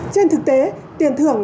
trên thực tế tiền thưởng